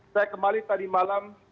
saya kembali tadi malam